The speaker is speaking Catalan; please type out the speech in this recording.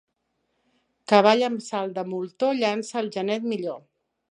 Cavall amb salt de moltó llança el genet millor.